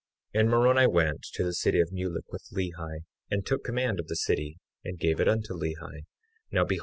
53:2 And Moroni went to the city of Mulek with Lehi, and took command of the city and gave it unto Lehi.